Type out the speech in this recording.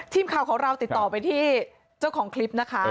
ทีมข่าวของเราติดต่อไปที่เจ้าของคลิปนะคะ